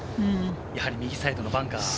やはり右サイドのバンカー。